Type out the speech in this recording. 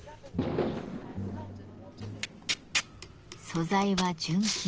素材は純金。